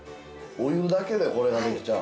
お湯だけで、これができちゃう。